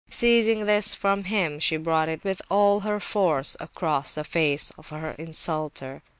Seizing this from him, she brought it with all her force across the face of her insulter.